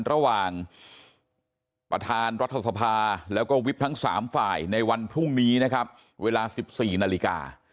ระหว่างประธานรัฐสภาแล้วก็วิบทั้ง๓ฝ่ายในวันพรุ่งนี้นะครับเวลา๑๔นาฬิกา